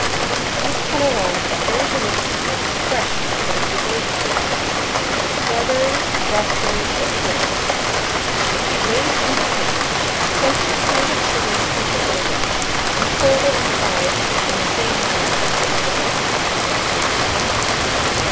These cannelons are very delicious made with fresh instead of preserved fruit, such as strawberries, raspberries, or currants: it should be laid in the paste, plenty of pounded sugar sprinkled over, and folded and fried in the same manner as stated above.